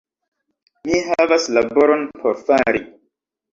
Mi havas laboron por fari